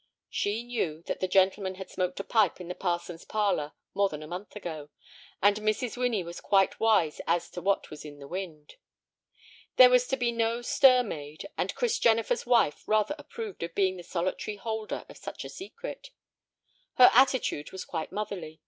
She knew that the gentleman had smoked a pipe in the parson's parlor more than a month ago, and Mrs. Winnie was quite wise as to what was in the wind. There was to be no stir made, and Chris Jennifer's wife rather approved of being the solitary holder of such a secret. Her attitude was quite motherly.